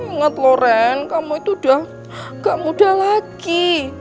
inget loh ren kamu itu udah gak muda lagi